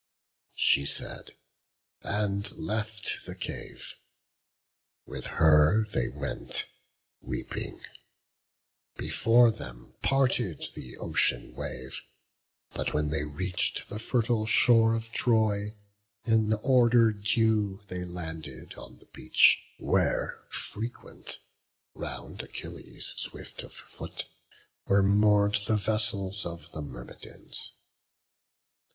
She said, and left the cave; with her they went, Weeping; before them parted th' ocean wave. But when they reach'd the fertile shore of Troy, In order due they landed on the beach, Where frequent, round Achilles swift of foot, Were moor'd the vessels of the Myrmidons.